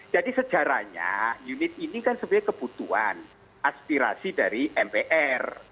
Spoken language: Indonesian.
jadi sejarahnya unit ini kan sebenarnya kebutuhan aspirasi dari mpr